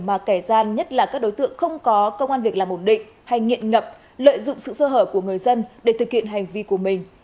mà kẻ gian nhất là các đối tượng không có công an việc làm ổn định hay nghiện ngập lợi dụng sự sơ hở của người dân để thực hiện hành vi của mình